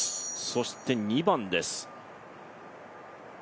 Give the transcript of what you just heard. そして２番です。